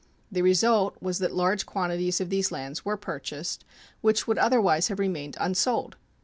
The result was that large quantities of these lands were purchased which would otherwise have remained unsold.